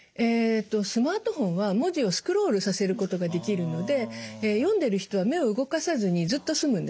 スマートフォンは文字をスクロールさせることができるので読んでる人は目を動かさずにずっと済むんですね。